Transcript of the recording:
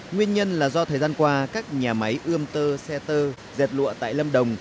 nguyên nhân là do thời gian qua các nhà máy ươm tơ xe tơ dệt lụa tại lâm đồng